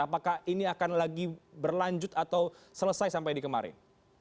apakah ini akan lagi berlanjut atau selesai sampai di kemarin